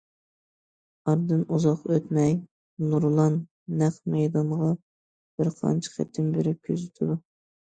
ئارىدىن ئۇزاق ئۆتمەي نۇرلان نەق مەيدانغا بىرقانچە قېتىم بېرىپ كۆزىتىدۇ.